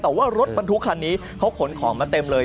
แต่ว่ารถบรรทุกคันนี้เขาขนของมาเต็มเลย